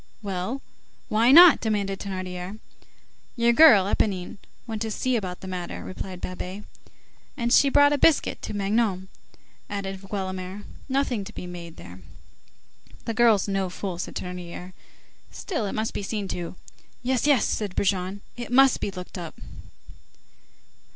"Well! why not?" demanded Thénardier. "Your girl, Éponine, went to see about the matter," replied Babet. "And she brought a biscuit to Magnon," added Guelemer. "Nothing to be made there." "The girl's no fool," said Thénardier. "Still, it must be seen to." "Yes, yes," said Brujon, "it must be looked up."